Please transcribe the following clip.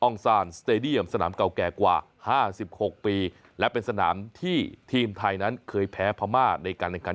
องค์ซานสเตดียมสนามเก่าแก่กว่าห้าสิบหกปีและเป็นสนามที่ทีมไทยนั้นเคยแพ้พามาร์ดในการ